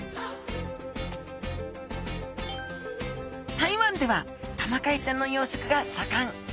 台湾ではタマカイちゃんの養殖がさかん。